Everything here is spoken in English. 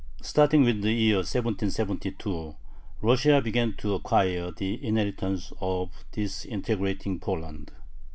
Starting with the year 1772, Russia began to acquire the inheritance of disintegrating Poland.